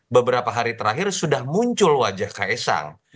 beberapa hari terakhir sudah muncul wajah kaesang